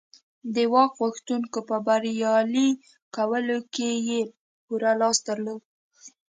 د واک غوښتونکو په بریالي کولو کې یې پوره لاس درلود